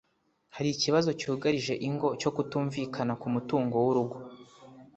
hari ikibazo cyugarije ingo cyo kutumvikana ku mutungo w’urugo